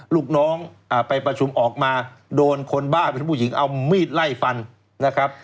ลูกน้องไปประชุมออกมาโดนคนบ้าเป็นผู้หญิงเอามีดไล่ฟันนะครับ